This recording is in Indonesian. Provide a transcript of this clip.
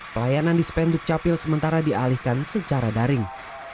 pelayanan dispenduk capil sementara dialihkan secara daring